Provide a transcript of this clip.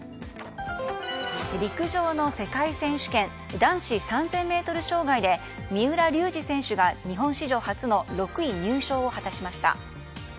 陸上の世界選手権男子３０００ｍ障害で三浦龍司選手が日本史上初の６位入賞を果たしました。